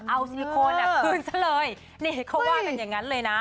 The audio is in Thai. เอาซิลิโคนอ่ะคืนซะเลยนี่เขาว่ากันอย่างนั้นเลยนะ